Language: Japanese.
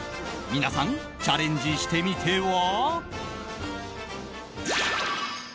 皆さんチャレンジしてみては？